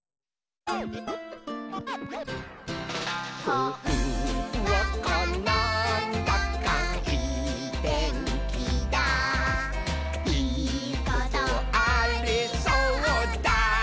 「ほんわかなんだかいいてんきだいいことありそうだ！」